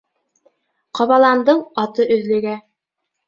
Ҡабаландың аты өҙлөгә.